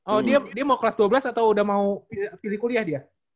oh dia mau kelas dua belas atau udah mau pilih kuliah dia